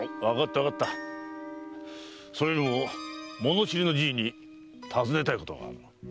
それよりも物知りのじいに尋ねたいことがある。